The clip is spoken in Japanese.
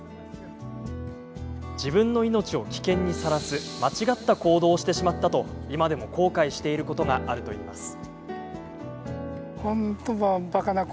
自分の命を危険にさらす間違った行動をしてしまったと今でも後悔していることがあるといいます。